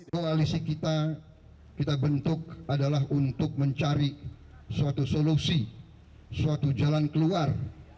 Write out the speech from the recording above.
koalisi kita kita bentuk adalah untuk mencari suatu solusi suatu jalan keluar